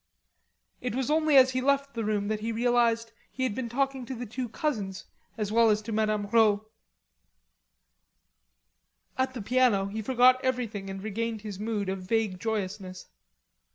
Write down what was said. It was only as he left the room that he realized he had been talking to the two cousins as well as to Madame Rod. At the piano he forgot everything and regained his mood of vague joyousness.